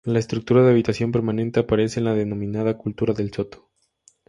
La estructura de habitación permanente aparece en la denominada cultura del Soto.